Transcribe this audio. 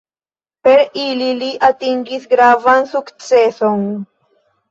Per ili li atingis gravan sukceson.